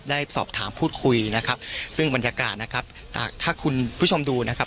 ได้สอบถามพูดคุยนะครับซึ่งบรรยากาศนะครับอ่าถ้าคุณผู้ชมดูนะครับ